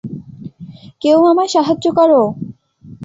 কেউ আমায় সাহায্য করো!